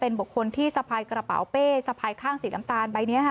เป็นบกคนที่สะพายกระเป๋าเป้สะพายข้างสีล้ำตาล